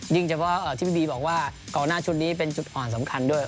ยิ่งเฉพาะที่พี่บีบอกว่าเกาะหน้าชุดนี้เป็นจุดอ่อนสำคัญด้วย